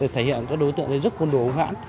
thể hiện các đối tượng rất côn đối ủng hãn